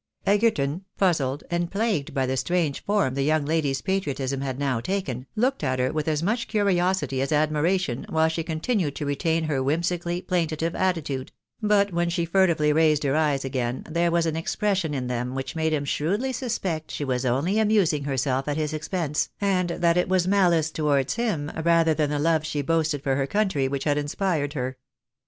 Egerton, puzzled and plagued by the strange form the young lady's patriotism had now taken, looked at her with as much curiosity as admiration, while she continued to retain her whimsi cally plaintive attitude ; but when she furtively raised her eyes again, there was an expression in them which made him shrewdly suspect she was only amusing herself at his expense, and that it was malice towards him, rather than the love she boasted for her country, which had inspired her.